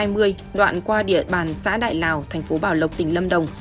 chiều ngày bốn tháng bốn trên quốc lộ hai mươi đoạn qua địa bàn xã đại lào thành phố bảo lộc tỉnh lâm đồng